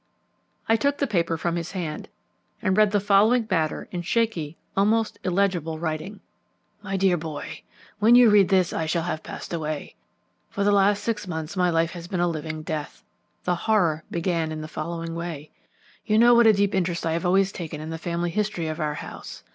I took the paper from his hand and read the following matter in shaky, almost illegible writing: "My dear Boy, When you read this I shall have passed away. For the last six months my life has been a living death. The horror began in the following way. You know what a deep interest I have always taken in the family history of our house.